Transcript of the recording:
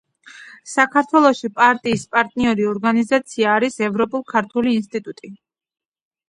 საქართველოში პარტიის პარტნიორი ორგანიზაცია არის ევროპულ-ქართული ინსტიტუტი.